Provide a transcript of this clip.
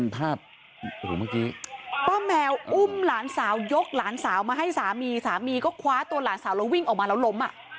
เมื่อกี้ป้าแมวอุ้มหลานสาวยกหลานสาวมาให้สามีสามีก็คว้าตัวหลานสาวแล้ววิ่งออกมาแล้วล้ม